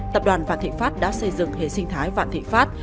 tập đoàn vạn thị pháp đã xây dựng hệ sinh thái vạn thị pháp